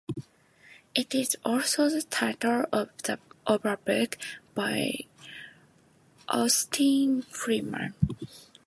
It is also the title of a book by R. Austin Freeman.